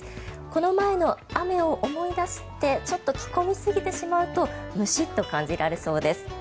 この前の雨を思い出してちょっと着込みすぎてしまうとムシッと感じられそうです。